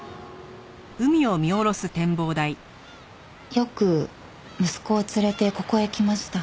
よく息子を連れてここへ来ました。